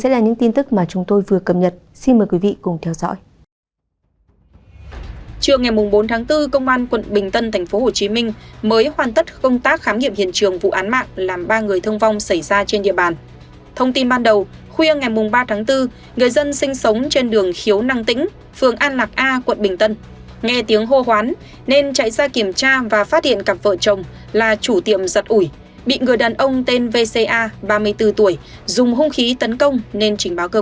đối tiếp chương trình sẽ là những tin tức mà chúng tôi vừa cập nhật xin mời quý vị cùng theo dõi